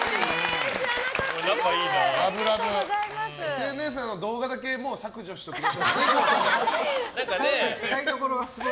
ＳＮＳの動画だけ削除しておいてください。